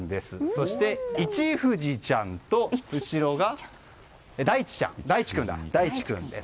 そして、一富士ちゃんと後ろが、大地君です。